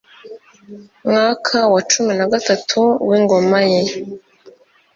mwaka wa cumi n itatu w ingoma ye